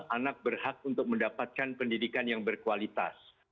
anak berhak untuk mendapatkan pendidikan yang berkualitas